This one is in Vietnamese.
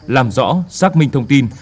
làm rõ xác minh thông tin